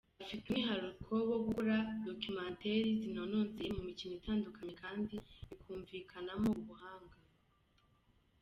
Afite umwihariko wo gukora documentaire zinonosoye mu mikino itandukanye kandi bikumvikanamo ubuhanga.